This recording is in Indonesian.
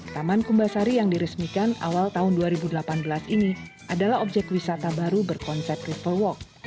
taman awal tahun dua ribu delapan belas ini adalah objek wisata baru berkonsep riverwalk